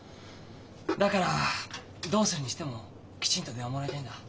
だからどうするにしてもきちんと電話もらいたいんだ。